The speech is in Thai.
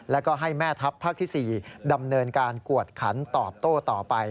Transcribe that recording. แล้วก็ให้แม่ทัพภาคที่๔ดำเนินการกวดขันตอบโต้ต่อไป